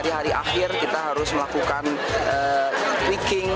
terima kasih kepada telkom indonesia